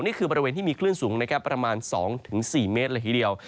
นี่คือบริเวณที่มีคลื่นสูงประมาณ๒๔เมตรละทีเดียว